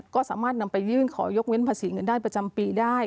ก็สามารถนำไปยื่นขอยกเว้นภาษีเงินได้ประจำปีได้